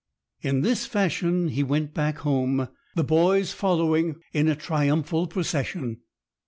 In this fashion he went back home, the boys following in a triumphal procession.